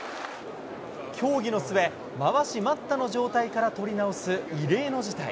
協議の末、まわし待ったの状態から取り直す異例の事態。